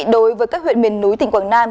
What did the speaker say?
đối với các huyện miền núi tỉnh quảng nam